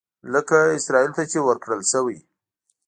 لکه اسرائیلو ته چې ورکړل شوي.